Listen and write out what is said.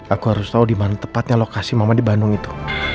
aku harus tahu di mana tepatnya lokasi mama di bandung itu